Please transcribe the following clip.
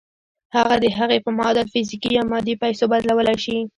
هغه د هغې په معادل فزيکي يا مادي پيسو بدلولای شئ.